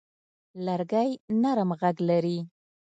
لرګی نرم غږ لري.